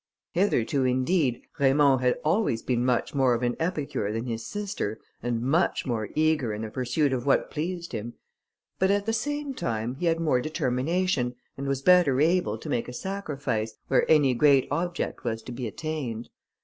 Hitherto, indeed, Raymond had always been much more of an epicure than his sister, and much more eager in the pursuit of what pleased him; but at the same time, he had more determination, and was better able to make a sacrifice, where any great object was to be attained.